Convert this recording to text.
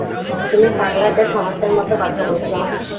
তুমি পাগলাটে থমাসের মত কথা বলছো।